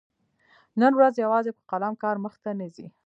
نن ورځ يوازي په قلم کار مخته نه ځي.